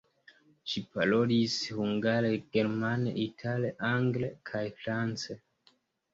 Ŝi parolis hungare, germane, itale, angle kaj france.